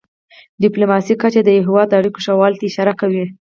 د ډيپلوماسی کچه د یو هېواد د اړیکو ښهوالي ته اشاره کوي.